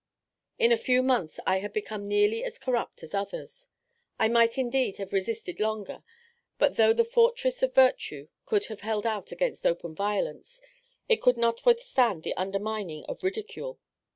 In a few months I had become nearly as corrupt as others. I might indeed have resisted longer; but though the fortress of virtue could have held out against open violence, it could not withstand the undermining of ridicule.